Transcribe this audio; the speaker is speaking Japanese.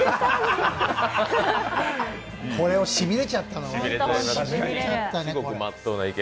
これにしびれちゃったの。